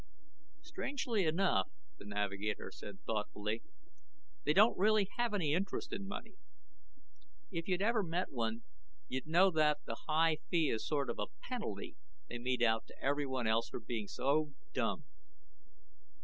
"Strangely enough," the navigator said thoughtfully, "they don't really have any interest in money. If you'd ever met one, you'd know that the high fee is sort of a penalty they mete out to everyone else for being so dumb."